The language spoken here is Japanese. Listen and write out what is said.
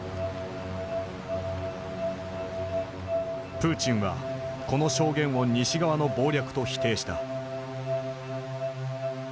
プーチンはこの証言を西側の謀略と否定した。